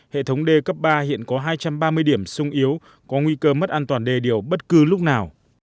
hệ thống d cấp ba hiện có hai trăm ba mươi điểm sung yếu có nguy cơ mất an toàn đề điều bất cứ lúc nào